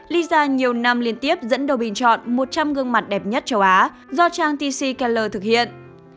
lisa nhiều năm liên tiếp dẫn đầu bình chọn một trăm linh gương mặt đẹp nhất châu á do trang tsy ke thực hiện